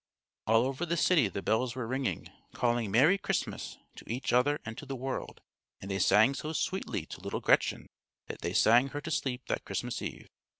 All over the city the bells were ringing, calling "Merry Christmas" to each other and to the world; and they sang so sweetly to little Gretchen that they sang her to sleep that Christmas Eve.